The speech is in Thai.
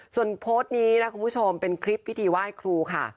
ส่วนโพสต์นี้นะคุณผู้ชมเป็นคลิปพิธีไหว้ครูค่ะ